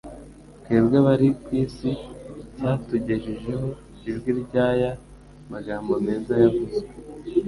twebwe abari ku isi cyatugejejeho ijwi ry'aya magambo meza yavuzwe